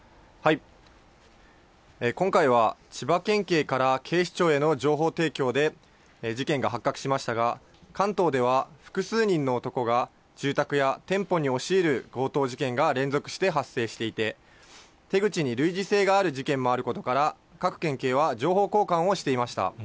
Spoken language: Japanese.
今回は千葉県警から警視庁への情報提供で事件が発覚しましたが、関東では、複数人の男が、住宅や店舗に押し入る強盗事件が連続して発生していて、手口に類似性がある事件もあることから、各県警は情報交換をしていました。